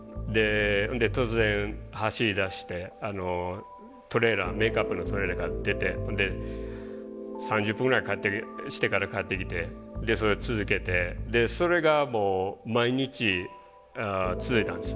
ほんで突然走りだしてトレーラーメイクアップのトレーラーから出てで３０分ぐらいしてから帰ってきてでそれを続けてそれがもう毎日続いたんです。